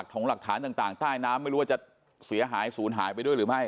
ของหลักฐานต่างใต้น้ำไม่รู้ว่าจะเสียหายศูนย์หายไปด้วยหรือไม่